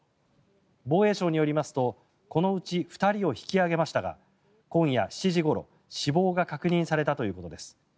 防衛省によりますとこのうち２人を引き上げましたが今夜７時ごろ、死亡が確認されたということです。